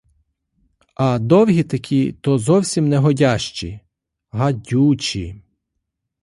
А довгі такі, то зовсім негодящі — гадючі.